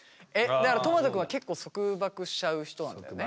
とまと君は結構束縛しちゃう人なんだよね？